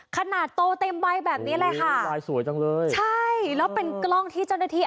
ขนาดโตเต็มใบแบบนี้เลยค่ะลายสวยจังเลยใช่แล้วเป็นกล้องที่เจ้าหน้าที่